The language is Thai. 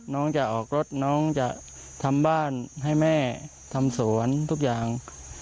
น้องจะออกรถน้องจะทำบ้านให้แม่ทำสวนทุกอย่าง